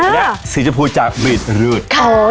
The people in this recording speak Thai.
และสีทูพูจากฟรีดรืด